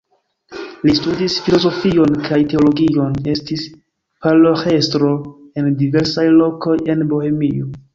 Li studis filozofion kaj teologion, estis paroĥestro en diversaj lokoj en Bohemio.